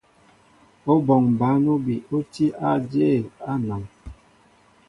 Óbɔŋ bǎn óbi ó tí á ajěl á anaŋ.